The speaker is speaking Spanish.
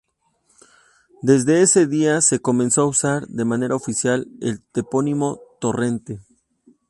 Desde ese día se comenzó a usar de manera oficial el topónimo Torrente.